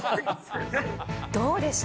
どうでした？